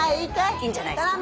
いいんじゃないですか。